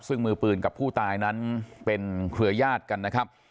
ซึ่งมือปืนกับผู้ตายนั้นเป็นเครือยาศกันนะครับ